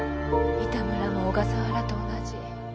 三田村も小笠原と同じ。